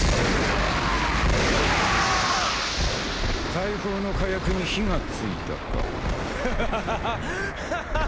大砲の火薬に火がついたか。